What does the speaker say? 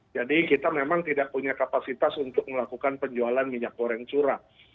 jadi kita memang tidak punya kapasitas untuk melakukan penjualan minyak goreng curah